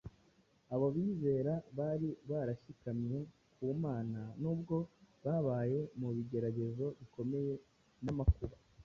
abo bizera bari barashikamye ku Mana nubwo babaye mu bigeragezo bikomeye n’amakuba.